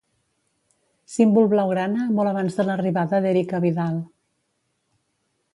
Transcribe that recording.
Símbol blaugrana molt abans de l'arribada d'Eric Abidal.